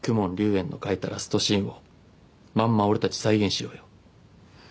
炎の書いたラストシーンをまんま俺たち再現しようよ